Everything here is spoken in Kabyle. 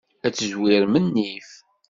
Ad tezwirem nnif.